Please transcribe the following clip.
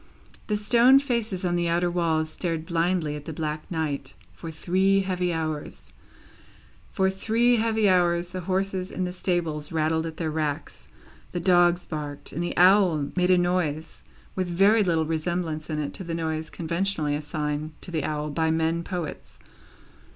The stone faces on the outer walls stared blindly at the black night for three heavy hours; for three heavy hours, the horses in the stables rattled at their racks, the dogs barked, and the owl made a noise with very little resemblance in it to the noise conventionally assigned to the owl by men poets.